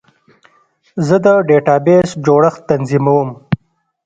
زه د ډیټابیس جوړښت تنظیموم.